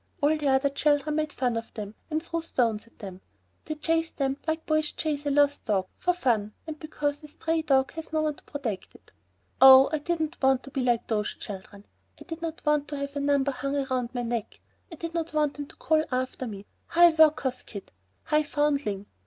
All the other children made fun of them and threw stones at them. They chased them like boys chase a lost dog, for fun, and because a stray dog has no one to protect it. Oh, I did not want to be like those children. I did not want to have a number hung round my neck. I did not want them to call after me, "Hi, Workhouse Kid; Hi Foundling!"